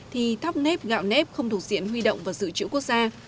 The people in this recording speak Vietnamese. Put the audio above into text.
thì thóc nếp gạo nếp không thuộc diện huy động và dự trữ quốc gia